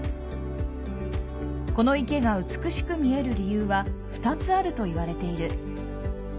この池が美しく見える理由は２つあるといわれている。